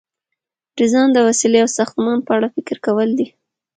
ډیزاین د وسیلې او ساختمان په اړه فکر کول دي.